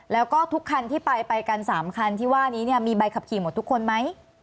แล้วก็ทุกคันที่ไปกัน๓คันที่ว่านี้เนี่ยมีใบขับขี่หมดทุกคนไหม